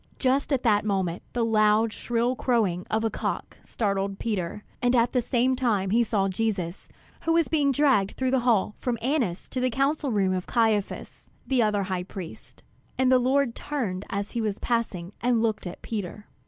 Just at that moment the loud, shrill crowing of a cock startled Peter; and at the same time he saw Jesus, who was being dragged through the hall from Annas to the council room of Caiphas, the other high priest. And the Lord turned as he was passing and looked at Peter.